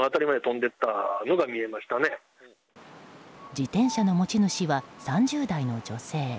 自転車の持ち主は３０代の女性。